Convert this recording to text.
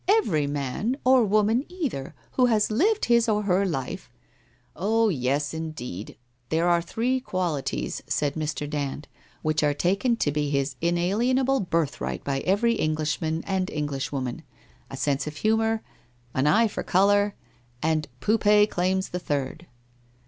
' Every man, or woman either, who has lived his or her life ' 'Ah, yes, indeed. There are three qualities,' said Mr. Dand, ' which are taken to be his inalienable birthright by every Englishman, and Englishwoman. A sense of humour — an eye for colour — and Poupee claims the third.'